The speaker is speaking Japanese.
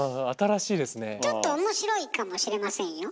ちょっと面白いかもしれませんよ。